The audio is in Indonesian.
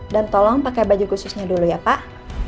dan tolong pakai baju khususnya dulu ya pak